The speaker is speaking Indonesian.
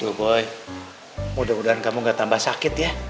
aduh boy mudah mudahan kamu gak tambah sakit ya